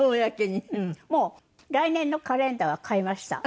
もう来年のカレンダーは買いました。